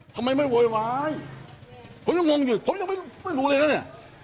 ทำไมไม่หวยหวายเหมือนผมยังงงอยู่ผมยังไม่รู้เลยอ่ะเนี้ย